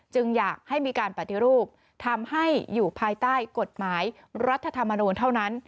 อยากให้มีการปฏิรูปทำให้อยู่ภายใต้กฎหมายรัฐธรรมนูลเท่านั้น